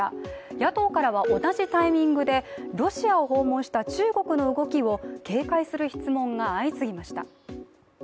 野党からは同じタイミングでロシアを訪問した中国の動きを警戒する質問が相次ぎました。